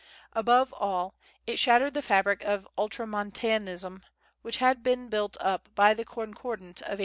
Above all, "it shattered the fabric of Ultramontanism which had been built up by the concordat of 1853."